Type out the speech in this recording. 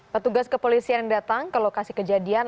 petugas kepolisian yang datang ke lokasi kejadian